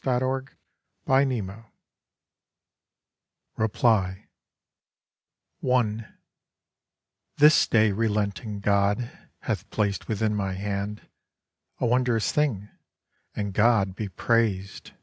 REPLY I This day relenting God Hath placed within my hand A wondrous thing; and God Be praised.